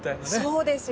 そうですよね。